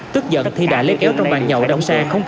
tức giận thi đã lấy kéo trong bàn nhậu đông xa